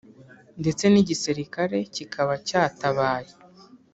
ndetse n’igisirikare kikaba cyatabaye